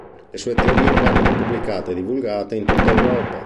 Le sue teorie vennero pubblicate e divulgate in tutta Europa.